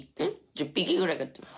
１０匹ぐらい飼ってます。